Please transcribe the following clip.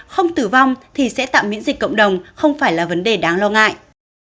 không tử vong thì sẽ tạm miễn dịch cộng đồng không phải là vấn đề đáng lo ngại